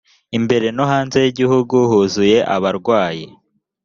imbere no hanze y ‘igihugu huzuye abarwayi.